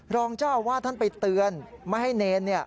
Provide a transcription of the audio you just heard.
รองเจ้าอาวาสท่านไปเตือนไม่ให้เนร